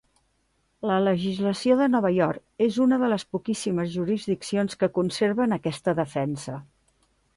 La legislació de Nova York és una de les poquíssimes jurisdiccions que conserven aquesta defensa.